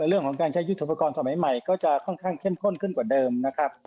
เรื่องของการใช้ยุทธปกรณ์สมัยใหม่ก็จะค่อนข้างเข้มข้นขึ้นกว่าเดิมนะครับ